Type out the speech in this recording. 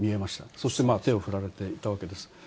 そして手を振られていたわけです。